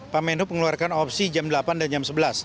pak menhub mengeluarkan opsi jam delapan dan jam sebelas